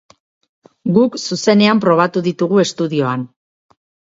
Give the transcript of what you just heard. Guk zuzenean probatu ditugu estudioan.